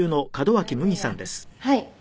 はい。